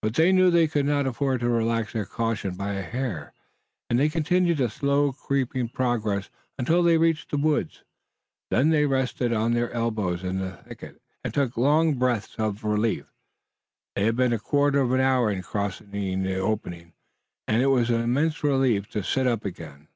But they knew they could not afford to relax their caution by a hair, and they continued a slow creeping progress until they reached the woods. Then they rested on their elbows in a thicket, and took long breaths of relief. They had been a quarter of an hour in crossing the open and it was an immense relief to sit up again.